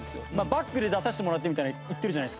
バックで出させてもらってみたいに言ってるじゃないですか。